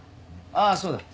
ああそうだ。